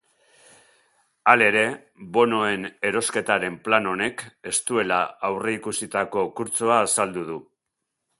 Halere, bonoen erosketaren plan honek ez duela aurreikusitako kurtso azaldu du.